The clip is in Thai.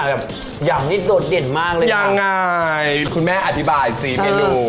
แบบยำนี่โดดเด่นมากเลยยังไงคุณแม่อธิบายสี่เมนู